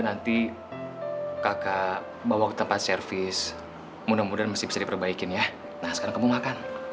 nah sekarang kamu makan